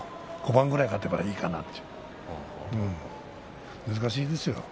５番くらい勝てばいいかな難しいですよ。